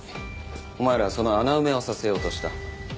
お前らはその穴埋めをさせようとした。